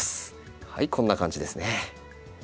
はいこんな感じですね。